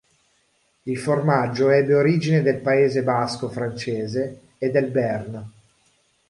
Il formaggio ebbe origine del Paese basco francese e del Béarn.